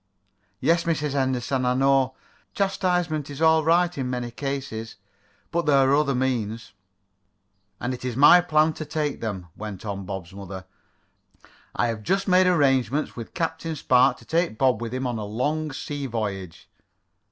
'" "Yes, Mrs. Henderson, I know. Chastisement is all right in many cases, but there are other means." "And it is my plan to take them," went on Bob's mother. "I have just made arrangements with Captain Spark to take Bob with him on a long sea voyage."